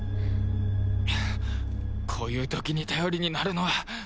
こういう時に頼りになるのは。